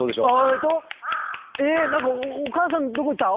えっとえ何か「お母さんどこ行った？